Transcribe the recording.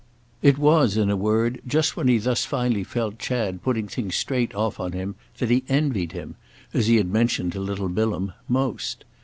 It was, in a word, just when he thus finally felt Chad putting things straight off on him that he envied him, as he had mentioned to little Bilham, most.